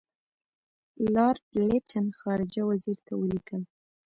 لارډ لیټن خارجه وزیر ته ولیکل.